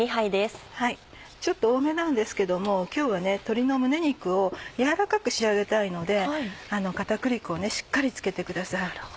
ちょっと多めなんですけども今日は鶏の胸肉を軟らかく仕上げたいので片栗粉をしっかり付けてください。